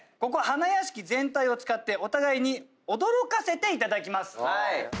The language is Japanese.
ここ花やしき全体を使ってお互いに驚かせていただきます。